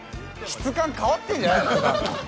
「質感変わってるんじゃないの？」